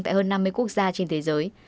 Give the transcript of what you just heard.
tại hơn năm mươi quốc gia trên thế giới